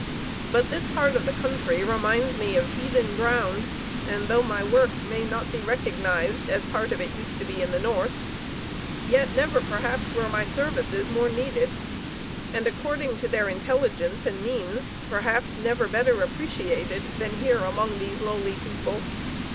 But this part of the country reminds me of heathen ground, and though my work may not be recognized as part of it used to be in the North, yet never perhaps were my services more needed; and according to their intelligence and means perhaps never better appreciated than here among these lowly people.